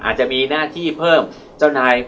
อาจจะมีหน้าที่เพิ่มเจ้านาย